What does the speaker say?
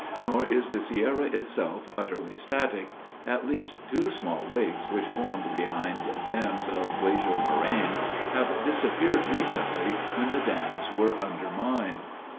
Nor is the Sierra itself utterly static. At least two small lakes which formed behind dams of glacial moraine have disappeared recently when the dams were undermined.